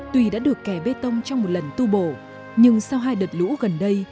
tuy đã được kè bê tông trong một lần tu bổ nhưng sau hai đợt lũ gần đây